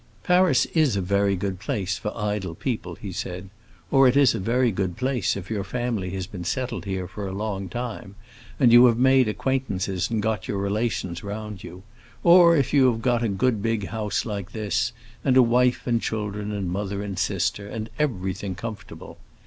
"Paris is a very good place for idle people," he said, "or it is a very good place if your family has been settled here for a long time, and you have made acquaintances and got your relations round you; or if you have got a good big house like this, and a wife and children and mother and sister, and everything comfortable.